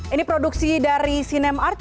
ini produksi dari cinemart